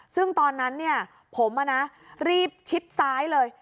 ซึ่งตอนนั้นเนี่ยผมอะนะรีบชิดซ้ายเลย